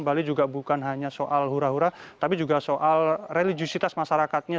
bali juga bukan hanya soal hura hura tapi juga soal religisitas masyarakatnya